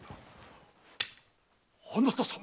あなた様が。